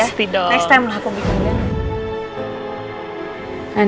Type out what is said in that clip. pasti dong next time lah aku bikin